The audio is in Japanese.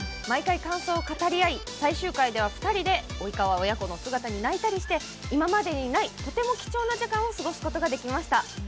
毎回感想を語り合い、最終回では２人で及川親子の姿に泣いたりして今までにない、とても貴重な時間を過ごすことができました。